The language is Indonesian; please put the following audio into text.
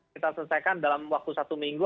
kita selesaikan dalam waktu satu minggu